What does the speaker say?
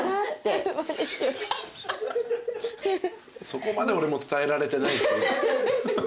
そこまで俺も伝えられてない。